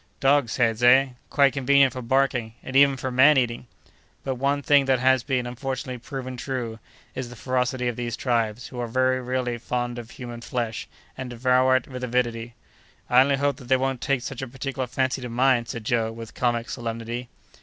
"Dogs' heads, eh? Quite convenient for barking, and even for man eating!" "But one thing that has been, unfortunately, proven true, is, the ferocity of these tribes, who are really very fond of human flesh, and devour it with avidity." "I only hope that they won't take such a particular fancy to mine!" said Joe, with comic solemnity.